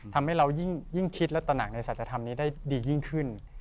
ทำให้เรายิ่งคิดและตระหนักในสัจธรรมนี้ได้ดียิ่งขึ้น